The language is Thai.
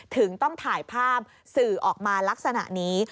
ถึงต้องถ่ายภาพสื่อออกมาลักษณะนี้